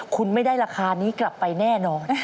คุณไม่ได้ราคานี้กลับไปแน่นอน